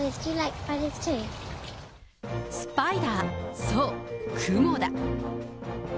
スパイダー、そう、クモだ。